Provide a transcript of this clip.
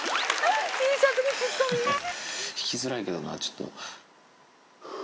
いきづらいけどな、ちょっと。